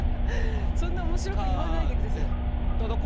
そんな面白く言わないでください。か。か。